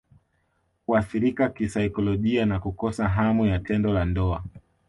Kuathirika kisaikolojia na Kukosa hamu ya tendo la ndoa